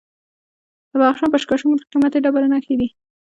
د بدخشان په اشکاشم کې د قیمتي ډبرو نښې دي.